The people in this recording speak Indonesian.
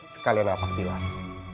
sekalian apak tilas